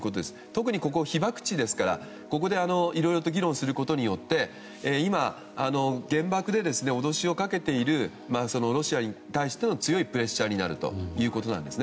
特にここ被爆地ですから、ここでいろいろ議論することにより今、原爆で脅しをかけているロシアに対しての強いプレッシャーになるということなんです。